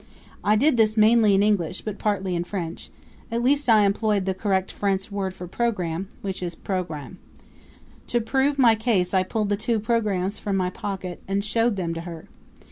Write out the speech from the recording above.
I did this mainly in English, but partly in French at least I employed the correct French word for program, which is programme. To prove my case I pulled the two programs from my pocket and showed them to her.